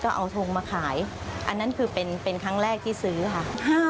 เอาทงมาขายอันนั้นคือเป็นครั้งแรกที่ซื้อค่ะ